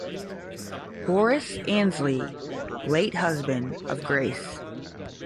Horace Ansley: Late husband of Grace.